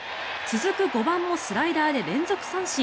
続く５番もスライダーで連続三振。